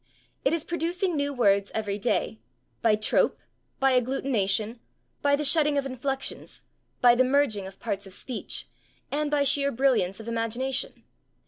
It is producing new words every day, by trope, by agglutination, by the shedding of inflections, by the merging of parts of speech, and by sheer brilliance of imagination.